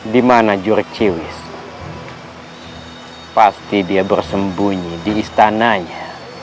di mana jurciwis pasti dia bersembunyi di istananya